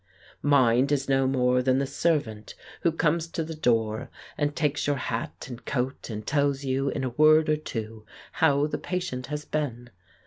"Mind is no more than the servant who comes to the door, and takes your hat and coat, and tells you in a word or two how the patient has been.